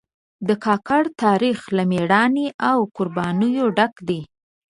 د کاکړ تاریخ له مېړانې او قربانیو ډک دی.